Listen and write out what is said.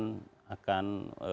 bahwa beliau menyampaikan